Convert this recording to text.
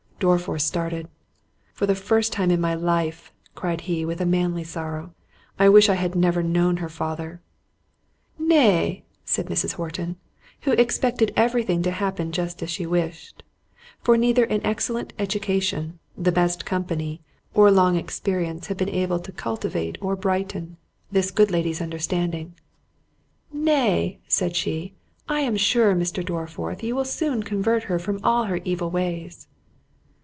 Dorriforth started. "For the first time of my life," cried he with a manly sorrow, "I wish I had never known her father." "Nay," said Mrs. Horton, who expected every thing to happen just as she wished, (for neither an excellent education, the best company, or long experience had been able to cultivate or brighten this good lady's understanding,) "Nay," said she, "I am sure, Mr. Dorriforth, you will soon convert her from all her evil ways."